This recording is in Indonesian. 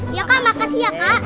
iya kak makasih ya kak